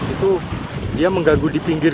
itu dia mengganggu di pinggir